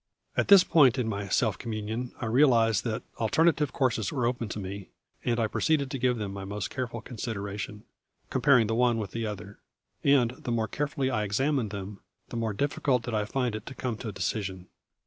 At this point in my self communion I realised that alternative courses were open to me, and I proceeded to give them my most careful consideration, comparing the one with the other. And the more carefully I examined them, the more difficult did I find it to come to a decision.